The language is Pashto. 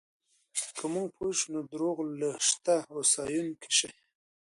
که موږ پوه شو، نو د درواغو له شته هوسایونکی شي.